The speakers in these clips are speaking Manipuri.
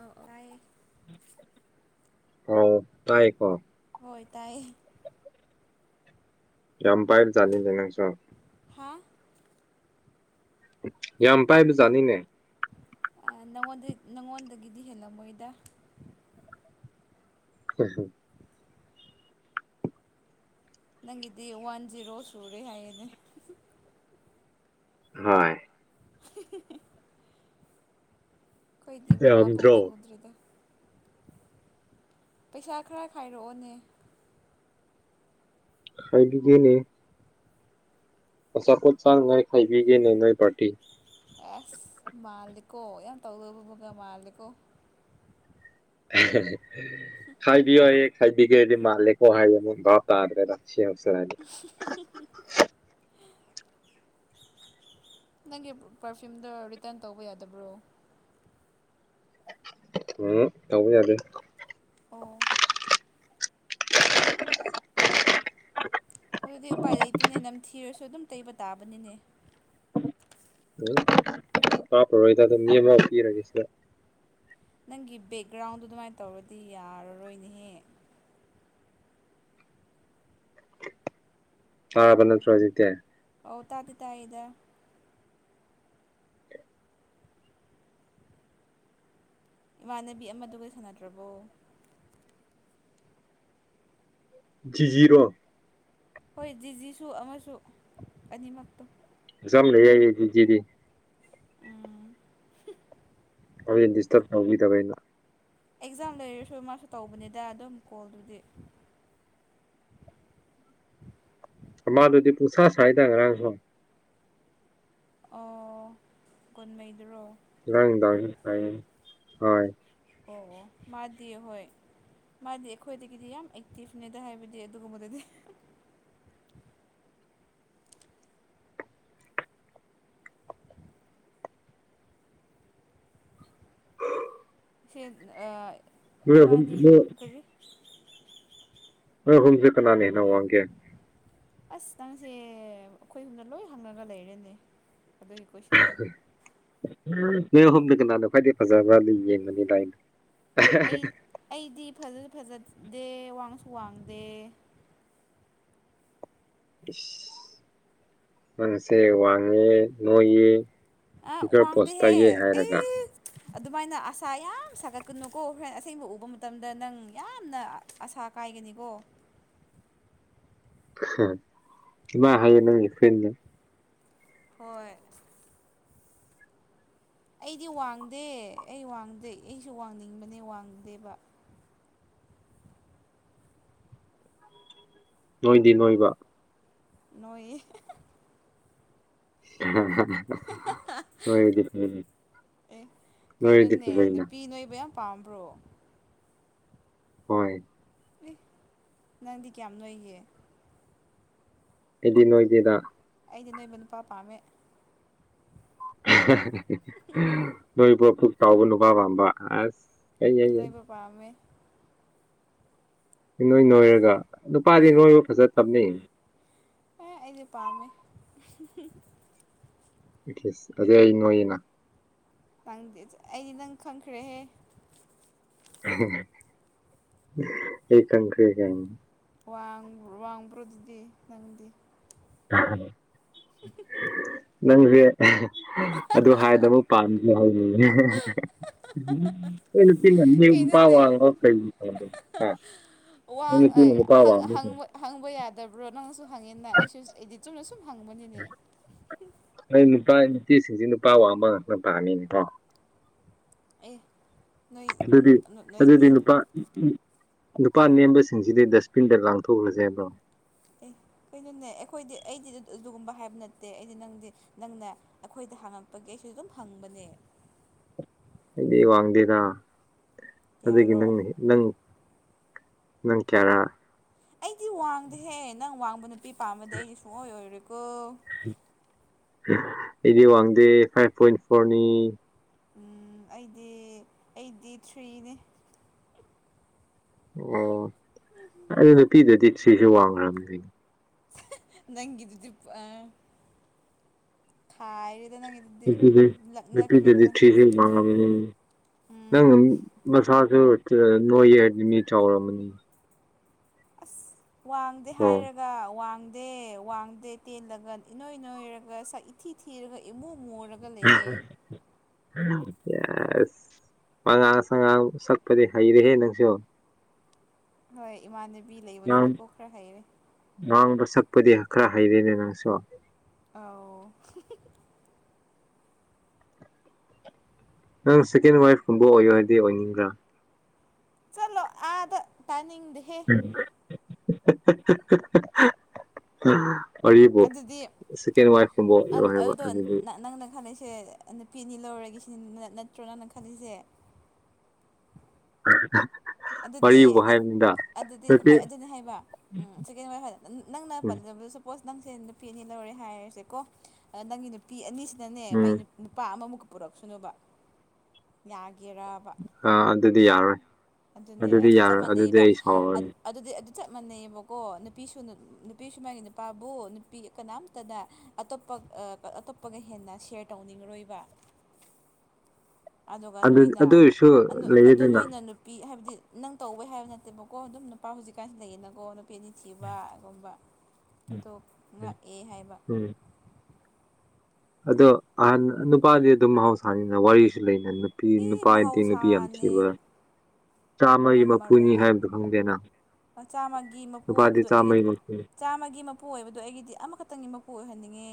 ꯑ ꯑꯥꯏꯌꯦ ꯍꯥꯎ ꯇꯥꯏꯀꯣ ꯍꯣꯏ ꯇꯥꯏꯌꯦ ꯌꯥꯝꯝ ꯄꯥꯏꯔ ꯆꯥꯗꯅ ꯁꯣ ꯍꯥꯥ ꯌꯥꯝ ꯄꯥꯏꯕꯖꯥꯠꯅꯤꯅꯦ ꯉꯣꯟꯗ ꯅꯪꯉꯣꯟꯗꯒꯤꯗꯤ ꯍꯦꯜꯂꯝꯃꯣꯏꯗ ꯍꯣꯏ ꯍ ꯅꯪꯒꯤꯗꯤ ꯋꯥꯟ ꯖꯤꯔꯣ ꯁꯨꯔꯦ ꯍꯥꯏꯌꯦꯅꯦ ꯍꯣꯏ [inaudible] ꯀꯩꯗꯤ ꯃꯉꯥ ꯐꯥꯎ ꯌꯥꯝꯗ꯭ꯔꯣ ꯁꯨꯗ꯭ꯔꯤꯗ ꯄꯩꯁꯥ ꯈꯔ ꯈꯥꯏꯔꯛꯑꯣꯅꯦ ꯈꯥꯏꯒꯦꯅꯦ ꯑꯆꯥꯄꯣꯠ ꯆꯥ ꯉꯥꯏ ꯈꯥꯏꯕꯤꯒꯦꯅꯦ ꯅꯣꯏ ꯄꯥꯔꯇꯤ ꯑꯁ ꯃꯥꯂꯦꯀꯣ ꯌꯥꯝ ꯇꯧꯗꯣꯏꯕꯕꯒ ꯃꯥꯂꯦꯀꯣ ꯎ ꯈꯥꯏꯕꯤꯌꯦ ꯈꯥꯏꯕꯤ ꯀꯦ ꯑꯗꯨꯗꯤ ꯃꯜꯦꯀꯣ ꯍꯥꯏꯥꯏ ꯃ ꯕꯥ ꯇꯥꯗꯔ ꯔꯁꯤ ꯍꯧꯁ ꯍꯥꯏꯗꯤ [inaudible] ꯅꯪꯒꯤ ꯄꯔꯐ꯭ꯌꯨꯝꯗꯣ ꯔꯤꯇꯟ ꯇꯧꯕ ꯌꯥꯗꯕ꯭ꯔꯣ ꯎꯝ ꯌꯥꯎꯕ ꯌꯥꯗ ꯑꯣ [inaudible] ꯑꯗꯨꯗꯤ ꯎꯄꯥꯏ ꯂꯩꯇꯦꯅꯦ ꯅꯝ ꯊꯤꯔꯁꯨ ꯑꯗꯨꯝ ꯇꯩꯕ ꯇꯥꯕꯅꯤꯅꯦ ꯀꯥꯞꯄꯔꯣꯏꯗ ꯑꯗꯨꯝ ꯃꯤ ꯑꯃ ꯄꯤꯔꯒꯦ ꯁꯤꯗ ꯅꯪꯒꯤ ꯕꯦꯛꯒ꯭ꯔꯥꯎꯟꯗꯣ ꯑꯗꯨꯃꯥꯏꯅ ꯇꯧꯔꯗꯤ ꯌꯥꯔꯔꯣꯏꯅꯦꯍꯦ ꯇꯥꯕ ꯅꯠꯇ꯭ꯔꯣꯖꯤꯗꯦ ꯑꯧ ꯇꯥꯗꯤ ꯇ ꯏꯗ ꯏꯃꯥꯟꯅꯕꯤ ꯑꯃꯗꯨꯒ ꯁꯥꯟꯅꯗ꯭ꯔꯕꯣ ꯖꯤꯔꯣ ꯍꯣꯏ ꯖꯤꯖꯤꯁꯨ ꯑꯃꯁꯨ ꯑꯅꯤꯃꯛꯇꯣ ꯑꯦꯖꯝ ꯂꯩ ꯌꯥꯏꯗꯤꯗꯤ ꯑꯥ ꯍꯦꯟ ꯗꯤꯁꯇꯔꯕ ꯇꯧꯈꯤꯗꯕ ꯑꯩꯅ ꯑꯦꯛꯖꯥꯝ ꯂꯩꯔꯁꯨ ꯃꯥꯁꯨ ꯇꯧꯕꯅꯤꯗ ꯑꯗꯨꯝ ꯀꯣꯜꯗꯨꯗꯤ ꯃꯥꯗꯨꯗꯤ ꯄꯨꯨꯡꯁꯥ ꯁꯥꯏꯗ ꯉꯔꯥꯡꯁꯨꯣ ꯑꯣ ꯀꯨꯟꯃꯩꯗ꯭ꯔꯣ ꯔꯪꯗ ꯍꯣꯏ ꯑꯣ ꯃꯥꯗꯤ ꯍꯣꯏ ꯃꯥꯗꯤ ꯑꯩꯈꯣꯏꯗꯒꯤꯗꯤ ꯌꯥꯝ ꯑꯦꯛꯇꯤꯞꯅꯦꯗ ꯍꯥꯏꯕꯗꯤ ꯑꯗꯨꯒꯨꯝꯕꯗꯗꯤ ꯑ ꯁꯦ ꯑꯍꯨꯝ ꯏꯕꯥꯅꯤ ꯅꯣꯏ ꯀꯔꯤꯔꯤ ꯑ ꯍ ꯍꯧꯨꯝꯖꯀꯅꯥ ꯅꯅꯦꯅꯣ ꯋꯥꯪꯦ ꯑꯁ ꯅꯪꯁꯦ ꯑꯩꯈꯣꯏ ꯁꯨꯝꯗ ꯂꯣꯏ ꯍꯪꯉꯒ ꯂꯩꯔꯦꯅꯦ ꯑꯗꯨꯒꯤ ꯀꯣꯏꯁꯟꯁꯦ ꯅ ꯍꯣꯝꯅ ꯀꯅꯥꯗꯣ ꯈ꯭ꯋꯥꯏꯗꯤ ꯐꯖꯕ꯭ꯔꯥ ꯑꯗꯨ ꯌꯦꯡꯉꯅꯤ ꯂꯥꯏꯅ ꯑꯩ ꯑꯩꯗꯤ ꯐꯖꯁꯨ ꯐꯖꯗꯦ ꯋꯥꯡꯁꯨ ꯋꯥꯡꯗꯦ ꯅꯪꯁꯦ ꯋꯥꯡꯉꯦ ꯅꯣꯏꯌꯦ ꯑ ꯐꯤꯒꯔ ꯄꯣꯁ ꯋꯥꯡꯗꯍꯦ ꯇꯥꯏꯌꯦ ꯍꯥꯏꯔꯒ ꯑꯦ ꯑꯗꯨꯃꯥꯏꯅ ꯑꯁꯥ ꯌꯥꯝ ꯁꯥꯒꯠꯀꯅꯨꯀꯣ ꯍꯣꯔꯦꯟ ꯑꯁꯦꯡꯕ ꯎꯕ ꯃꯇꯝꯗ ꯅꯪ ꯌꯥꯝꯅ ꯑꯁꯥ ꯀꯥꯏꯒꯅꯤꯀꯣ ꯏꯃꯥ ꯍꯩ ꯅꯪꯒꯤ ꯐ꯭ꯔꯦꯟ ꯍꯣꯏ ꯑꯩꯗꯤ ꯋꯥꯡꯗꯦ ꯑꯩ ꯋꯥꯡꯗꯦ ꯑꯩꯁꯨ ꯋꯥꯡꯅꯤꯡꯕꯅꯦ ꯋꯥꯡꯗꯦꯕ ꯅꯣꯏꯗꯤ ꯅꯣꯏꯕ ꯅꯣꯏ ꯍꯥ ꯑꯦ ꯅꯣꯏꯔꯗꯤ ꯀꯩꯅꯣꯅꯦ ꯐꯖꯩꯅ ꯅꯨꯄꯤ ꯅꯣꯏꯕꯌꯥꯝ ꯄꯥꯝꯔꯣ ꯍꯣꯏ ꯑꯦ ꯅꯪꯗꯤ ꯀꯌꯥꯝ ꯅꯣꯏꯒꯦ ꯑꯦꯗꯤ ꯅꯣꯏꯒꯦꯗ ꯑꯩꯗꯤ ꯅꯣꯏꯕ ꯅꯨꯄꯥ ꯄꯥꯝꯃꯦ ꯅꯣꯏꯕꯨ ꯄꯨꯛ ꯆꯥꯎꯕ ꯅꯨꯄꯥ ꯄꯥꯝꯕ ꯑꯁ ꯑꯩ ꯑꯩ ꯅꯣꯏꯕ ꯄꯥꯝꯃꯦ ꯅꯣꯏ ꯅꯣꯏꯔꯒ ꯅꯨꯄꯥꯗꯤ ꯅꯣꯏꯔ ꯐꯖ ꯇꯞꯅꯩ ꯑꯩꯁꯦ ꯄꯥꯝꯃꯦ ꯑꯗꯨꯩ ꯑꯩ ꯅꯣꯏꯒꯤꯅ ꯇꯪꯗꯦ ꯑꯩꯗꯤ ꯅꯪ ꯈꯪꯈ꯭ꯔꯦꯍꯦ ꯑꯩ ꯀꯪꯇꯔꯤ ꯀ ꯋꯥꯡꯕ ꯋꯥꯡꯕ꯭ꯔꯣ ꯑꯗꯨꯗꯤ ꯅꯪꯗꯤ ꯅꯪꯁꯦ ꯑꯗꯨ ꯍꯥꯏꯗ ꯑꯃꯨ ꯄꯝꯕꯤ ꯍꯥꯏ ꯀꯩꯅꯤ ꯄ ꯀꯩꯅꯣꯅꯦ ꯀꯩ ꯅꯣꯏ ꯋꯥ ꯅꯨꯄꯤꯅ ꯅꯨꯄꯥ ꯍ ꯋꯥꯡꯕꯁꯤꯡ ꯍꯪꯕ ꯌꯥꯗꯕ꯭ꯔꯣ ꯅꯪꯅꯁꯨ ꯍꯪꯉꯦꯅ ꯑꯩꯁꯨ ꯏꯗꯤ ꯆꯨꯝꯅ ꯁꯨꯝ ꯍꯪꯕꯅꯤꯅꯦ ꯑꯩ ꯅꯨꯄꯥ ꯅꯨꯄꯤꯁꯤꯡꯁꯤ ꯅꯨꯄꯥ ꯋꯥꯡꯕ ꯉꯥꯛꯅ ꯄꯥꯛꯅꯤꯅꯦꯀꯣ ꯑꯦ ꯅꯣꯏ ꯑꯗꯨꯗꯤ ꯑꯗꯨꯗꯤ ꯅꯣꯏꯗꯤ ꯅꯨꯄꯥ ꯅꯨꯄꯥ ꯅꯦꯝꯕꯁꯤꯡꯁꯤꯗꯤ ꯗꯁꯕꯤꯟꯗ ꯂꯥꯡꯊꯣꯛꯈ꯭ꯔꯁꯦꯕ꯭ꯔꯣ ꯑꯦ ꯀꯩꯅꯣꯅꯦ ꯑꯩꯈꯣꯏꯗꯤ ꯑꯩꯗꯤ ꯑꯗꯨꯒꯨꯝꯕ ꯍꯥꯏꯕ ꯅꯠꯇꯦ ꯑꯩꯗꯤ ꯅꯪꯗꯤ ꯅꯪꯅ ꯑꯩꯈꯣꯏꯗ ꯍꯥꯡꯉꯛꯄꯒꯤ ꯑꯩꯁꯨ ꯑꯗꯨꯝ ꯍꯪꯕꯅꯦ ꯑꯩꯗꯤ ꯋꯥꯡꯗꯦꯗ ꯑꯗꯨꯒꯤ ꯌꯥꯔꯣ ꯅꯪ ꯅꯪ ꯅꯪ ꯀꯦꯔ ꯑꯩꯗꯤ ꯋꯥꯡꯗꯦꯍꯦ ꯅꯪ ꯋꯥꯡꯕ ꯅꯨꯄꯤ ꯄꯥꯝꯕꯗꯤ ꯑꯩꯗꯤ ꯁꯨꯡꯑꯣꯏ ꯑꯣꯏꯔꯦꯀꯣ ꯑꯩꯗꯤ ꯋꯥꯡꯗꯦ ꯐꯥꯏꯚ ꯄꯣꯏꯟ ꯐꯣꯔꯅꯤ ꯑꯩꯗꯤ ꯑꯩꯠꯇꯤ ꯊ꯭ꯔꯤꯅꯤ ꯑꯣ ꯑꯗꯨ ꯅꯨꯄꯤꯗꯗꯤ ꯁꯤꯁꯨ ꯋꯥꯡꯈ꯭ꯔꯕꯅꯤꯅ ꯅꯪ ꯑꯗꯨꯗꯄꯥ ꯑ ꯈꯥꯏꯔꯦꯗ ꯅꯪꯒꯤ ꯑꯗꯨꯗꯤ ꯂꯛꯅꯈ꯭ꯔꯦꯗ ꯅꯪ ꯎꯝ ꯅꯪ ꯎꯝ ꯃꯁꯥꯁꯨ ꯅꯣꯏ ꯍꯥꯏꯗꯤ ꯃꯤ ꯆꯥꯎꯔꯝꯝꯕꯅꯤ ꯑꯁ ꯋꯥꯡꯗꯦ ꯑꯣ ꯍꯥꯏꯔꯒ ꯋꯥꯡꯗꯦ ꯋꯥꯡꯗꯦ ꯇꯦꯜꯂꯒ ꯏꯅꯣꯏ ꯅꯣꯏꯔꯒ ꯁꯛ ꯏꯊꯤ ꯊꯤꯔꯒ ꯏꯃꯨ ꯃꯨꯔꯒ ꯂꯩꯌꯦ [inaudible] ꯄꯉꯥꯡ ꯁꯉꯥꯡ ꯁꯛꯄꯗꯤ ꯍꯩꯔꯦꯍꯦ ꯅꯪꯁꯨ ꯍꯣꯏ ꯏꯃꯥꯟꯅꯕꯤ ꯂꯩꯕꯅꯤꯅꯀꯣ ꯈꯔ ꯍꯩꯔꯦ ꯅꯍꯥꯡꯕ ꯁꯛꯄꯗꯤ ꯈꯔ ꯍꯩꯔꯤꯅꯦ ꯅꯪꯁꯨ ꯑꯥꯎ ꯅꯪ ꯁꯦꯀꯦꯟ ꯋꯥꯏꯐꯀꯨꯝꯕ ꯑꯣꯏꯌꯣꯍꯥꯏꯔꯗꯤ ꯑꯣꯏꯅꯤꯡꯕ꯭ꯔꯥ꯫ ꯆꯂꯣ ꯑꯥꯗ ꯇꯅꯤꯡ ꯗꯦꯍꯦ꯫ [unintelligible] ꯑꯗꯨꯗꯤ ꯁꯦꯀꯦꯟ ꯋꯥꯏꯐꯀꯨꯝꯕ ꯑ ꯑꯣꯏꯔꯣ ꯍꯥꯏꯕ ꯑꯗꯨꯗꯣ ꯑꯗꯨꯗꯤ ꯅꯪꯅ ꯈꯪꯏꯁꯦ꯫ ꯅꯨꯄꯤ ꯑꯅꯤ ꯂꯧꯔꯒꯦꯁꯤꯅꯤ ꯅꯠꯇ꯭ꯔꯣ ꯅꯪꯅ ꯈꯜꯂꯤꯁꯦ꯫ [unintelligible] ꯑꯗꯨꯗꯤ ꯋꯥꯔꯤꯕꯨ ꯍꯥꯏꯕꯅꯤꯗ ꯑꯗꯨꯗꯤ ꯅꯠꯇꯦ ꯍꯣꯏ ꯑꯗꯨꯅꯦ ꯍꯥꯏꯕ ꯎꯝ꯫ ꯀꯩꯅꯣ ꯅꯪꯅ ꯎꯝ ꯄꯜꯂꯕ ꯁꯄꯣꯁ ꯅꯪꯁꯦ ꯅꯨꯄꯤ ꯑꯅꯤ ꯂꯧꯔꯦ ꯍꯥꯏꯔꯁꯦꯀꯣ꯫ ꯅꯪꯒꯤ ꯅꯨꯄꯤ ꯑꯅꯤꯁꯤꯅꯅꯦ ꯃꯥꯏ ꯎꯝ ꯅꯨ꯫ ꯅꯨꯄꯥ ꯑꯃꯃꯨꯛꯀ ꯄꯨꯔꯛꯁꯅꯨꯕ ꯌꯥꯒꯦꯔꯕ ꯑ ꯑꯗꯨꯗꯤ ꯌꯥꯔꯣꯏ ꯑꯗꯨꯅꯦ ꯑꯗꯨꯗꯤ ꯑꯗꯨ ꯆꯞ ꯌꯥꯔꯣꯏ ꯑꯗꯨꯗꯤ ꯃꯥꯟꯅꯩꯕ ꯑꯩ ꯁꯥꯎꯔꯅꯤ ꯑꯗꯨꯗꯤ ꯑꯗꯨ ꯆꯞ ꯃꯥꯟꯅꯩꯑꯕꯀꯣ ꯅꯨꯄꯤꯁꯨ ꯅꯨꯄꯤꯁꯨ ꯃꯥꯒꯤ ꯅꯨꯄꯥꯕꯨ ꯅꯨꯄꯤ ꯀꯅꯥꯝꯇꯅ ꯑꯇꯣꯞꯄ ꯑꯇꯣꯞꯄꯒ ꯍꯦꯟꯅ ꯁꯦꯌꯔ ꯇꯧꯅꯤꯡꯉꯔꯣꯏꯕ ꯑꯗꯨꯒ ꯑꯗꯨ ꯅꯣꯏꯅ ꯑꯗꯨ ꯑꯣꯏꯔꯁꯨ ꯑꯗꯨ ꯂꯩꯌꯦꯗꯅ ꯅꯣꯏꯅ ꯄꯤ ꯍꯥꯏꯕꯗꯤ ꯅꯪ ꯇꯧꯕꯩ ꯍꯥꯏꯕ ꯅꯠꯇꯦꯕꯀꯣ ꯑꯗꯨꯝ ꯅꯨꯄꯥ ꯍꯧꯖꯤꯛꯀꯥꯟꯁꯤ ꯂꯩꯌꯦꯅꯀꯣ ꯅꯨꯄꯤ ꯑꯅꯤ ꯊꯤꯕ ꯑꯗꯨꯒꯨꯝꯕ [inaudible] ꯑꯗꯨꯣ ꯉꯥꯛꯑꯦ ꯍꯥꯏꯕ ꯎꯝ ꯑꯗꯣ ꯑꯍ ꯅꯨꯄꯥꯗꯤ ꯑꯗꯨꯝ ꯃꯍꯧꯁꯥꯅꯤꯅ ꯋꯥꯔꯤꯁꯨ ꯂꯩꯅ꯫ ꯅꯨꯄꯤ ꯑꯦ ꯅꯨꯄꯥꯗꯤ ꯅꯨꯄꯤ ꯌꯥꯝ ꯃꯍꯧꯁꯥꯅꯦ ꯊꯤꯕ ꯆꯥꯝꯃꯒꯤ ꯃꯄꯨꯅꯤ ꯍꯥꯏꯕꯗꯨ ꯈꯪꯗꯦ ꯅꯪ꯫ ꯃꯆꯥꯃꯒꯤ ꯃꯄꯨ ꯑꯣꯏꯕꯗꯨ ꯑꯩꯒꯤ꯫ ꯃꯄꯨꯅꯤ ꯆꯥꯝꯃꯒꯤ ꯃꯄꯨ ꯑꯣꯏꯕꯗꯣ ꯑꯩꯒꯤꯗꯤ ꯑꯃꯈꯛꯇꯪꯒꯤ ꯃꯄꯨ ꯑꯣꯏꯍꯟꯅꯤꯡꯉꯦ꯫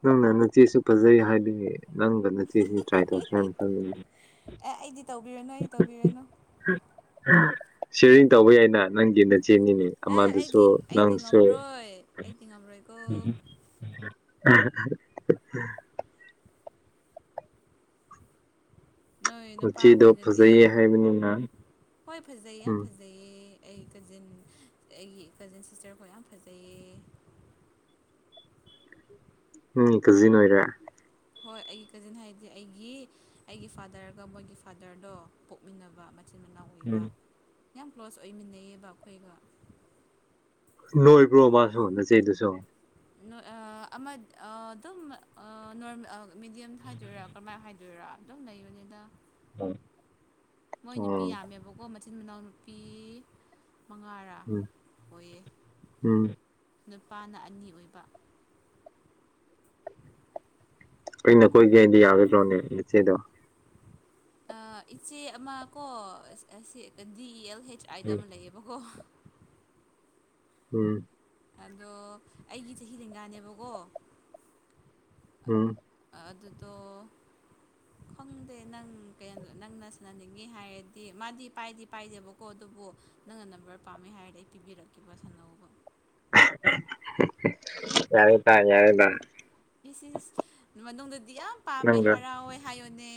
ꯈꯪꯗꯦꯅꯦ ꯅꯆꯦꯁꯨ ꯐꯖꯩ ꯍꯥꯏꯕꯅꯦ꯫ ꯅꯪꯒ ꯅꯆꯦꯒ ꯇ꯭ꯔꯥꯏ ꯇꯧꯁꯤꯔ ꯈꯜꯂꯤꯅꯦ꯫ ꯑꯦ ꯑꯩꯗꯤ ꯇꯧꯕꯤꯔꯅꯨ ꯑꯩ ꯇꯧꯕꯤꯔꯅꯨ꯫ ꯁꯦꯔꯤꯡ ꯇꯧꯕ ꯌꯥꯏꯅ ꯅꯪꯒꯤ ꯅꯆꯦ ꯅꯤꯅꯦ꯫ ꯑꯦ ꯑꯃꯗꯁꯨ ꯑꯩꯗꯤ ꯑꯩꯗꯤ ꯅꯪꯁꯦ꯫ ꯉꯝꯔꯣꯏ ꯑꯩꯗꯤ ꯉꯝꯔꯣꯏꯀꯣ [unintelligible] ꯅꯣꯏ ꯅꯨꯄꯥ ꯅꯆꯦꯗꯣ ꯍꯣꯏꯅꯗꯤ ꯐꯖꯩꯌꯦ ꯍꯥꯏꯕꯅꯤꯅ ꯍꯣꯏ ꯐꯖꯩ ꯌꯥꯝ ꯎꯝ ꯐꯖꯩ꯫ ꯖꯩꯌꯦ ꯑꯩ ꯀꯖꯤꯟ ꯑꯩꯒꯤ ꯀꯖꯤꯟ ꯁꯤꯁꯇꯔꯈꯣꯢ ꯌꯥꯝ ꯐꯖꯩꯌꯦ꯫ ꯎꯝ ꯀꯖꯤꯟ ꯑꯣꯏꯔꯦ꯫ ꯍꯣꯏ ꯑꯩꯒꯤ ꯀꯖꯤꯟ ꯍꯥꯏꯗꯤ ꯑꯩꯒꯤ ꯑꯩꯒꯤ ꯐꯥꯗꯔꯒ ꯃꯣꯏꯒꯤ ꯐꯥꯗꯔꯗꯣ ꯄꯣꯛꯃꯤꯟꯅꯕ꯫ ꯢꯆꯤꯟ ꯏꯅꯥꯎ ꯑꯣꯏꯕ ꯎꯝ ꯌꯥꯝ ꯀ꯭ꯂꯣꯁ ꯑꯣꯏꯃꯤꯟꯅꯩꯌꯦꯕ ꯑꯈꯣꯏꯒ꯫ ꯅꯣꯏꯕ꯭ꯔꯣ ꯃꯥꯁꯨ ꯅꯆꯦ ꯗꯨꯁꯨ꯫ ꯅꯣꯏ ꯑ ꯑꯃ ꯑꯗꯨꯝ ꯑ ꯅꯣꯢ ꯃꯤꯗꯤꯌꯝ ꯍꯥꯏꯗꯣꯏꯔꯥ ꯀꯃꯥꯏ ꯍꯥꯏ꯫ [unintelligible] ꯑꯗꯨꯝ ꯂꯩꯕꯅꯤꯗ꯫ ꯎꯝ꯫ ꯃꯣꯏ ꯅꯨꯄꯤ ꯌꯥꯝꯃꯦꯕꯀꯣ ꯃꯆꯤꯟ ꯃꯅꯥꯎ ꯅꯨꯄꯤ ꯃꯉꯥꯔꯥ꯫ ꯑꯣꯏꯌꯦ ꯎꯝ ꯅꯨꯄꯥꯅ ꯑꯅꯤ ꯑꯣꯏꯕ꯫ ꯑꯩꯅ ꯀꯣꯏꯒꯦꯗꯤ ꯌꯥꯒꯗ꯭ꯔꯣꯅꯦ ꯅꯆꯦꯗꯣ꯫ ꯏꯆꯦ ꯑꯃ ꯀꯣ ꯗꯤ ꯑꯦꯜ ꯍꯩꯆ ꯑꯥꯏꯗ ꯎꯝ ꯑꯃ ꯂꯩꯌꯦ꯫ ꯑꯣ ꯍꯣ꯫ ꯎꯝ꯫ ꯑꯗꯣ ꯑꯩꯒꯤ ꯆꯍꯤ ꯂꯦꯡꯒꯥꯅꯦꯕꯀꯣ꯫ ꯎꯝ꯫ ꯑ ꯑꯗꯨꯗꯣ꯫ [inaudible] ꯈꯪꯗꯦ ꯅꯪ ꯀꯩ ꯅꯪꯅ ꯁꯥꯟꯅꯅꯤꯡꯉꯤ ꯍꯥꯏꯔꯗꯤ ꯃꯥꯗꯤ ꯄꯥꯏꯗꯤ ꯄꯥꯏꯗꯦꯕꯀꯣ ꯑꯗꯨꯕꯨ꯫ ꯅꯪꯅ ꯅꯝꯕꯔ ꯄꯥꯝꯃꯦ ꯍꯥꯏꯔꯗꯤ ꯑꯩ ꯄꯤꯕꯤꯔꯛꯀꯦꯕ ꯁꯥꯟꯅꯧꯋꯣꯕ꯫ ꯌꯥꯔꯦꯗ ꯌꯥꯔꯦꯗ꯫ ꯏꯁ ꯏꯁ ꯃꯅꯨꯡꯗꯗꯤ ꯌꯥꯝ ꯄꯥꯝꯃꯦ ꯅꯪꯒ ꯍꯔꯥꯎꯋꯦ ꯍꯥꯏꯌꯣꯅꯦ꯫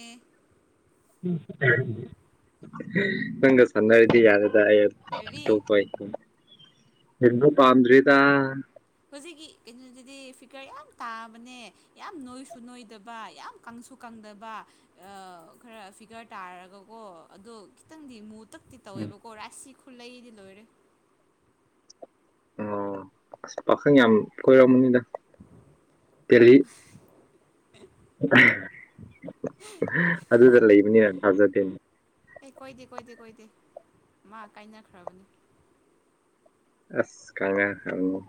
ꯅꯪꯒ ꯁꯅꯔꯗꯤ ꯌꯥꯔꯦꯗ ꯑꯩ꯫ ꯀꯔꯤ [unintelligible] ꯑꯍꯦꯟꯕ ꯄꯥꯝꯗ꯭ꯔꯦꯗ ꯍꯧꯖꯤꯛꯀꯤ ꯀꯩꯅꯣꯗꯨꯗꯤ ꯐꯤꯒꯔ ꯌꯥꯝ ꯇꯥꯕꯅꯦ ꯌꯥꯝ ꯅꯣꯏꯁꯨ ꯅꯣꯏꯗꯕ ꯌꯥꯝ ꯀꯪꯁꯨ ꯀꯪꯗꯕ ꯑ ꯈꯔ ꯐꯤꯒꯔ ꯇꯥꯔꯒꯀꯣ ꯑꯗꯣ ꯈꯤꯇꯪꯗꯤ ꯃꯨ ꯇꯛ ꯇꯤ ꯇꯧꯋꯦꯕꯀꯣ ꯔꯥꯁꯤ ꯈꯨꯂꯩꯗꯤ ꯂꯣꯏꯔꯦ ꯑꯣ ꯑꯁ ꯄꯥꯈꯪ ꯌꯥꯝ ꯀꯣꯏꯔꯝꯃꯅꯤꯗ ꯗꯦꯜꯍꯤ ꯑꯗꯨꯗ ꯂꯩꯕꯅꯤꯅ ꯊꯥꯖꯗꯦꯅꯦ ꯑꯦ ꯀꯣꯏꯗꯦ ꯀꯣꯏꯗꯦ ꯀꯣꯏꯗꯦ ꯃꯥ ꯀꯥꯏꯅꯈ꯭ꯔꯕꯅꯤ꯫ ꯑꯁ [unintelligible] ꯍꯪꯉꯣ꯫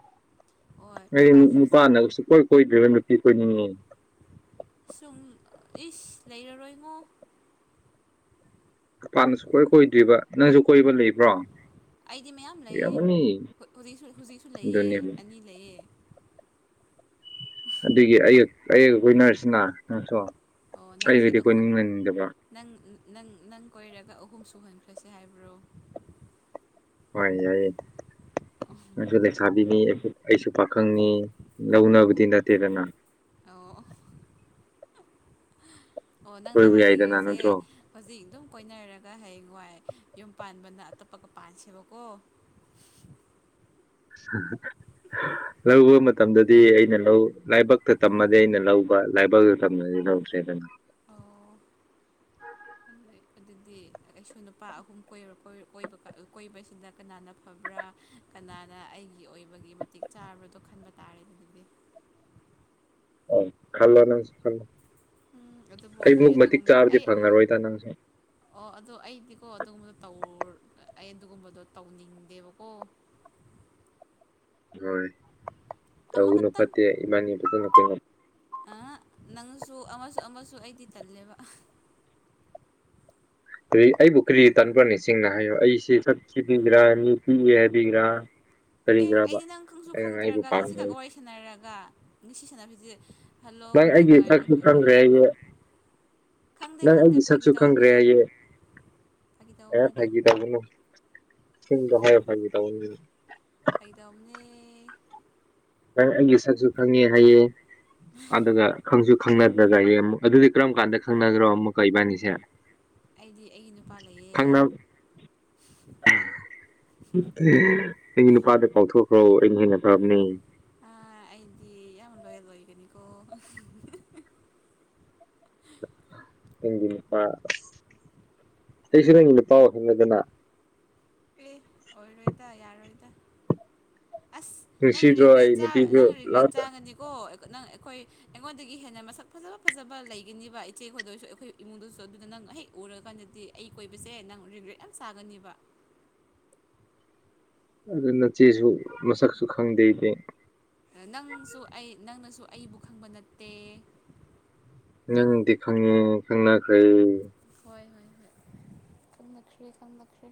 ꯍꯣꯏ ꯑꯩ ꯅꯨꯄꯥꯁꯤ ꯍꯧꯖꯤꯛ ꯅꯨꯄꯥꯅ ꯁꯨꯡꯀꯣꯏ ꯀꯣꯏꯗ꯭ꯔꯤꯕ ꯅꯨꯄꯤ ꯀꯣꯏꯅꯤꯡꯉꯤ꯫ ꯁꯨꯝ ꯏꯁ ꯂꯩꯔꯔꯣꯏꯉꯣ꯫ ꯅꯨꯄꯥꯅ ꯁꯨꯡꯀꯣꯏ ꯀꯣꯏꯗ꯭꯭ꯔꯤꯕ ꯅꯪꯁꯨ ꯀꯣꯏꯕ ꯂꯩꯕ꯭ꯔꯣ꯫ ꯑꯩꯗꯤ ꯃꯌꯥꯝ ꯂꯩꯌꯦ ꯂꯩꯔꯝꯒꯅꯤ ꯍꯧꯖꯤꯛꯁꯨ ꯍꯧꯖꯤꯛꯁꯨ ꯂꯩꯌꯦ ꯑꯗꯨꯅꯦꯕ ꯑꯅꯤ ꯂꯩꯌꯦ꯫ ꯑꯗꯨꯒꯤ ꯑꯩ ꯑꯩꯒ ꯀꯣꯏꯅꯔꯤꯁꯤꯅ ꯅꯪꯁꯨ ꯑꯣ ꯅꯪꯁꯦ ꯑꯩꯕꯨꯗꯤ ꯑꯍꯨꯝ ꯀꯣꯏꯅꯤꯡꯂꯅꯤꯡꯗꯕ꯫ ꯅꯪ ꯅꯪ ꯅꯪ ꯀꯣꯏꯔꯒ ꯑꯍꯨꯝ ꯁꯨꯍꯟꯈ꯭ꯔꯁꯦ ꯍꯥꯏꯕ꯭ꯔꯣ ꯍꯣꯏ ꯌꯥꯏꯌꯦ ꯅꯪꯁꯨ ꯂꯩꯁꯥꯕꯤꯅꯤ ꯑꯩꯁꯨ ꯑꯩꯁꯨ ꯄꯥꯈꯪꯅꯤ ꯂꯧꯅꯕꯗꯤ ꯅꯠꯇꯦꯗꯅ ꯑꯩ ꯑꯣ ꯑꯣ ꯅꯪꯅ ꯀꯣꯏꯕ ꯌꯥꯏꯗꯅ ꯍꯥꯏꯅꯤꯡꯉꯤꯁꯦ ꯅꯠꯇ꯭ꯔꯣ ꯍꯧꯖꯤꯛ ꯑꯗꯨꯝ ꯀꯣꯏꯅꯔꯒ ꯍꯌꯦꯡꯋꯥꯏ ꯌꯨꯝ ꯄꯥꯟꯕꯅ ꯑꯇꯣꯞꯄꯒ ꯄꯥꯟꯁꯦꯕꯀꯣ [unintelligible] ꯂꯧꯕ ꯃꯇꯝꯗꯗꯤ ꯑꯩꯅ ꯂꯧ ꯂꯥꯏꯕꯛꯇ ꯇꯝꯃꯗꯤ ꯑꯩꯅ ꯂꯧꯕ ꯂꯥꯏꯕꯛꯇ ꯇꯝꯗ꯭ꯔꯗꯤ ꯂꯧꯗ꯭ꯔꯦꯗꯅ ꯑꯣ ꯑꯗꯨꯗꯤ ꯑꯩꯁꯨ ꯅꯨꯄꯥ ꯑꯍꯨꯝ ꯀꯣꯏꯕꯁꯤꯅ ꯀꯅꯥꯅ ꯐꯕ꯭ꯔꯥ ꯀꯅꯥꯅ ꯑꯩꯒꯤ ꯑꯣꯏꯕꯒꯤ ꯃꯇꯤꯛ ꯆꯥꯕ꯭ꯔꯗꯣ ꯈꯟꯕ ꯇꯥꯔꯦ ꯑꯗꯨꯗꯤ ꯈꯜꯂꯣ ꯅꯪꯁꯨ ꯈꯜꯂꯣ ꯎꯝ ꯑꯗꯨꯕꯨ ꯑꯩ ꯑꯩꯃꯨꯛ ꯃꯇꯤꯛ ꯑꯗꯨꯒꯨꯝꯕ ꯆꯥꯕꯗꯤ ꯑꯩ ꯐꯪꯉꯔꯣꯏꯗ ꯅꯪꯁꯨ ꯑꯣ ꯑꯗꯣ ꯑꯩꯗꯤꯀꯣ ꯑꯗꯨꯒꯨꯝꯕꯗꯣ ꯇꯧ ꯑꯩ ꯑꯗꯨꯒꯨꯝꯕꯗꯣ ꯇꯧꯅꯤꯡꯗꯦꯕꯀꯣ ꯍꯣꯏ ꯇꯧꯅꯨ ꯑꯃꯈꯛꯇꯪ ꯐꯠꯇꯦ ꯏꯕꯥꯅꯤ ꯐꯖꯅ ꯀꯣꯏꯅ ꯑ ꯅꯪꯁꯨ ꯑꯃꯁꯨ ꯑꯃꯁꯨ ꯑꯩꯗꯤ ꯇꯜꯂꯦꯕ ꯑꯗꯨꯩ ꯑꯩꯕꯨ ꯀꯔꯤ ꯇꯥꯟꯄꯅꯤꯁꯤꯡꯅ ꯍꯥꯏꯌꯣ ꯑꯩꯁꯤꯦ ꯁ ꯊꯤꯕꯤꯒꯦꯔꯥ ꯃꯤ ꯄꯤꯛꯏ ꯍꯥꯏꯕꯤꯒꯔꯥ ꯑꯦ ꯑꯩꯗꯤ ꯅꯪ ꯈꯪꯁꯨ ꯈꯪꯗ꯭ꯔꯒ ꯉꯁꯤꯈꯛ ꯄꯥꯝꯗ꯭ꯔꯤ ꯋꯥꯔꯤ ꯁꯥꯟꯅꯔꯒ ꯉꯁꯤ ꯁꯥꯟꯕꯤꯁꯦ ꯅꯪ ꯑꯩꯒꯤ ꯁꯛꯁꯨ ꯐꯪꯈ꯭ꯔꯦ ꯑꯩꯁꯦ ꯈꯪꯗꯦ ꯅꯪ ꯈꯪꯗꯦ ꯑꯩꯒꯤ ꯐꯥꯒꯤ ꯁꯛꯁꯨ ꯈꯪꯈ꯭ꯔꯦ ꯇꯧꯕꯅꯦ ꯍꯥꯏꯌꯦꯦ ꯐꯥꯒꯤ ꯑꯦ ꯇꯧꯕꯅꯤꯗ ꯐꯒ ꯇꯕꯅ ꯁꯤꯗ ꯍ ꯐꯒ ꯇꯕꯅ ꯈꯥꯏꯗꯧꯅꯦ ꯅꯪ ꯑꯩꯒꯤ ꯁꯠꯁꯨ ꯈꯪꯉꯦ ꯍꯥꯏꯌꯦꯦ ꯑꯗꯨꯒ ꯈꯪꯁꯨ ꯈꯪꯅꯗ꯭ꯔꯒ ꯌꯦ ꯑꯃꯨꯛ ꯑꯗꯨꯗꯤ ꯀꯔꯝ ꯀꯥꯟꯗ ꯈꯪꯅꯗꯔꯣ ꯑꯃꯨꯛꯀ ꯏꯕꯥꯅꯤꯁꯦ ꯑꯩꯗꯤ ꯑꯩꯒꯤ ꯅꯨꯄꯥ ꯂꯩꯌꯦ ꯑꯩꯒꯤ ꯅꯨꯄꯥꯗꯨ ꯀꯥꯎꯊꯣꯛꯈ꯭ꯔꯣ ꯑꯩꯅ ꯍꯦꯟꯅ ꯐꯕꯅꯦ ꯑꯥ ꯑꯩꯗꯤ ꯌꯥꯝ ꯂꯣꯌꯜ ꯑꯣꯏꯒꯅꯤꯀꯣ [unintelligible] ꯑꯩꯁꯨ ꯅꯪꯒꯤ ꯅꯨꯄꯥ ꯑꯣꯏꯍꯟꯂꯣꯗꯅꯥ ꯑꯦ ꯑꯣꯏꯔꯣꯏꯗ ꯌꯥꯔꯣꯏꯗ ꯑꯁ ꯅꯪ ꯅꯨꯡꯁꯤꯗ꯭ꯔꯣ ꯑꯩ ꯔꯤꯒ꯭ꯔꯦꯠ ꯅꯨꯄꯤꯁꯨ ꯅꯪ ꯔꯤꯒ꯭ꯔꯦꯠ ꯂꯥꯁ ꯆꯥꯒꯅꯤꯀꯣ ꯅꯪ ꯑꯩꯈꯣꯏ ꯑꯩꯉꯣꯟꯗꯒꯤ ꯍꯦꯟꯅ ꯃꯁꯛ ꯐꯖꯕ ꯐꯖꯕ ꯂꯩꯒꯅꯤꯕ ꯏꯆꯦ ꯈꯣꯏꯗ ꯑꯣꯏꯔꯁꯨ ꯑꯩꯈꯣꯏ ꯏꯃꯨꯡꯗꯁꯨ ꯑꯗꯨꯅ ꯅꯪ ꯍꯦꯛ ꯎꯔꯀꯥꯟꯗꯗꯤ ꯑꯩ ꯀꯣꯏꯕꯁꯦ ꯅꯪ ꯔꯤꯒ꯭ꯔꯦꯠ ꯌꯥꯝ ꯁꯥꯒꯅꯤꯕ ꯑꯗꯨꯅꯆꯦꯁꯨ ꯃꯁꯛꯁꯨ ꯈꯪꯗꯦꯗꯤ ꯅꯪꯁꯨ ꯑꯩ ꯅꯪꯅꯁꯨ ꯑꯩꯕꯨ ꯈꯪꯕ ꯅꯠꯇꯦ ꯅꯪꯗꯤ ꯈꯉꯦ ꯎꯝ ꯈꯪꯅꯈ꯭ꯔꯩ ꯍꯣꯏ ꯍꯣꯏ ꯍꯣꯏ ꯈꯪꯅꯈ꯭ꯔꯦ ꯈꯪꯅꯈ꯭ꯔꯦ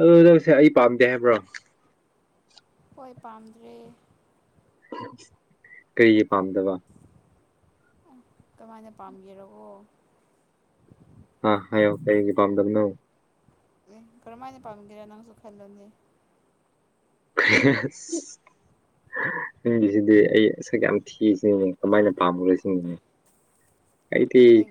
ꯑꯗꯨ ꯅꯁꯦ ꯑꯩ ꯄꯥꯝꯗꯦ ꯍꯥꯏꯕ꯭ꯔꯣ ꯑꯣꯏꯣꯏ ꯄꯥꯝꯗ꯭ꯔꯦ ꯀꯔꯤꯒꯤ ꯄꯥꯝꯗꯕ ꯀꯃꯥꯏꯅ ꯄꯥꯝꯒꯦꯔꯕꯣ ꯑ ꯍ ꯀꯩꯒꯤ ꯄꯝꯗꯕꯅꯣ ꯀꯔꯝꯍꯥꯏꯅ ꯄꯥꯝꯒꯦꯔꯥ ꯅꯪꯁꯨ ꯈꯜꯂꯣꯅꯦ ꯁ ꯅꯨꯡꯒꯤꯁꯤꯗꯤ ꯑꯩꯛꯀ ꯌꯥꯝ ꯊꯤꯁꯤ ꯀꯃꯥꯏꯅ ꯄꯥꯝꯃꯨꯔꯁꯤꯡ ꯑꯩꯗꯤ ꯅꯪ